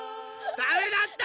だめだった！